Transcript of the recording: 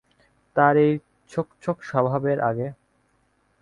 তোর এই ছোক ছোক স্বভাবের আগে?